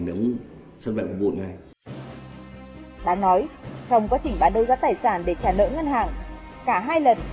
đã nói trong quá trình bán đôi giá tài sản để trả nợ ngân hàng cả hai lần